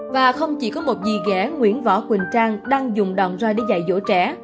và không chỉ có một dì ghẻ nguyễn võ quỳnh trang đang dùng đòn roi để dạy dỗ trẻ